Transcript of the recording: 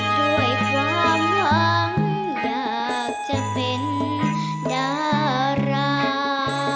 ด้วยความหวังอยากจะเป็นดารา